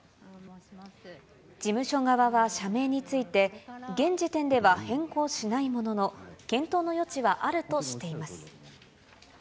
事務所側は社名について、現時点では変更しないものの、検討の余地はあるとしています。